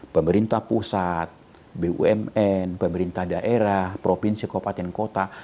pemerintah pusat bumn pemerintah daerah provinsi kota dan kota